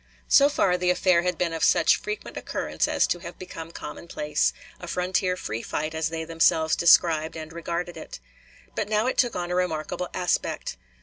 So far the affair had been of such frequent occurrence as to have become commonplace a frontier "free fight," as they themselves described and regarded it. But now it took on a remarkable aspect.